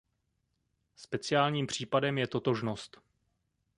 Speciálním případem je totožnost.